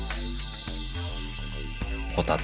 ホタテ。